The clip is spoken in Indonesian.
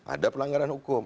ada pelanggaran hukum